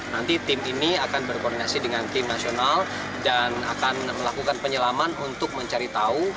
nanti tim ini akan berkoordinasi dengan tim nasional dan akan melakukan penyelaman untuk mencari tahu